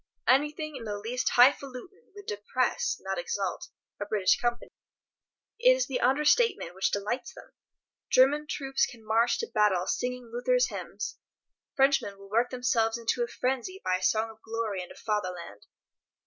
Anything in the least highfalutin' would depress, not exalt, a British company. It is the under statement which delights them. German troops can march to battle singing Luther's hymns. Frenchmen will work themselves into a frenzy by a song of glory and of Fatherland.